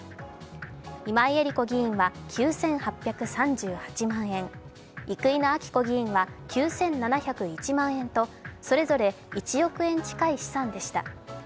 今井絵理子議員は９８３８万円、生稲晃子議員は９７０１万円とそれぞれ、１億円近い資産でした。